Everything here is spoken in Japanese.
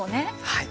はい。